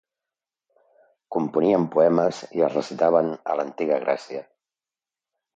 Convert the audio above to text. Componien poemes i els recitaven a l'antiga Grècia.